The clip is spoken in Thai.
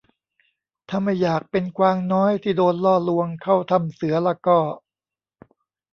ถ้าไม่อยากเป็นกวางน้อยที่โดนล่อลวงเข้าถ้ำเสือละก็